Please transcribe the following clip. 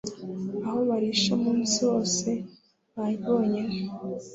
aho barisha umunsi wose, bonyine